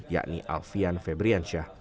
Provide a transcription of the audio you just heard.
yakni alfian febriansyah